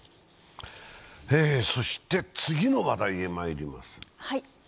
そして次の話題へまいります。